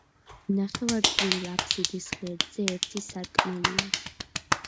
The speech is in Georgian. ნახევარწრიულ აფსიდის ღერძზე ერთი სარკმელია.